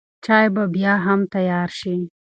چای به بیا هم تیار شي.